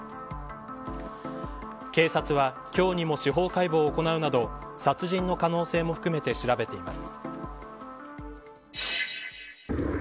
警察は、今日にも司法解剖を行うなど殺人の可能性も含めて調べています。